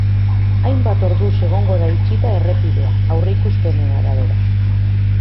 Hainbat orduz egongo da itxita errepidea, aurreikuspenen arabera.